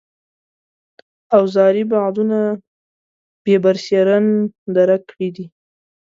اوزاري بعدونه یې برسېرن درک کړي دي.